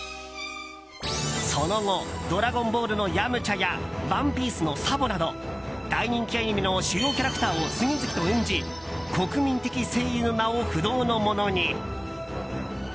その後「ドラゴンボール」のヤムチャや「ワンピース」のサボなど大人気アニメの主要キャラクターを次々と演じ国民的声優の名を不動のものに。